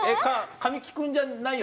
神木君じゃないよね。